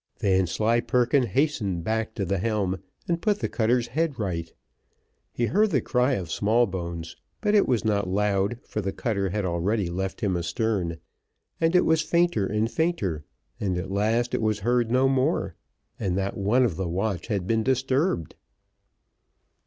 Vanslyperken hastened back to the helm, and put the cutter's head right. He heard the cry of Smallbones, but it was not loud, for the cutter had already left him astern, and it was fainter and fainter, and at last it was heard no more, and not one of the watch had been disturbed.